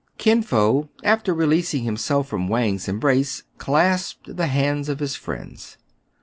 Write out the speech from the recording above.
Kin Fo, after releasing himself from Wang's em brace, clasped the hands of his friends.